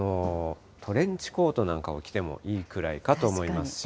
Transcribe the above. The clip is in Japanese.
トレンチコートなんかを着てもいいくらいかと思いますし。